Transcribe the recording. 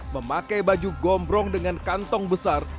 memakai baju gombrong dengan kantong besar